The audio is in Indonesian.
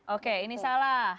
oke ini salah